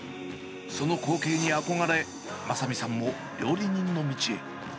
その光景に憧れ、正巳さんも料理人の道へ。